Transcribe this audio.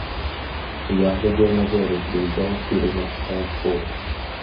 Я глядзеў на зоры і ўзяў кірунак на ўсход.